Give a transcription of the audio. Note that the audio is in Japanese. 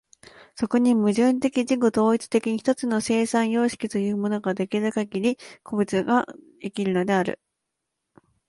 そこに矛盾的自己同一的に一つの生産様式というものが出来るかぎり、個物が生きるのである。